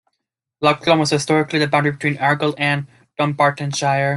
Loch Long was historically the boundary between Argyll and Dunbartonshire.